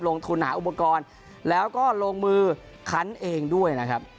ลงทุนหาอุปกรณ์แล้วก็ลงมือคันเองด้วยนะครับ